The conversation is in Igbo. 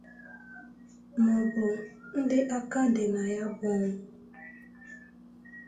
maọbụ ndị aka dị na ya bụ ọnwụ.